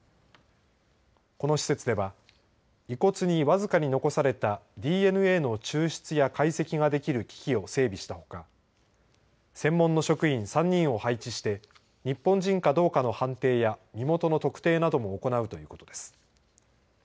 この施設では、遺骨に僅かに残されたＤＮＡの抽出や解析ができる機器を整備したほか専門の職員３人を配置して日本人かどうかの判定や身元の特定なども行うということです。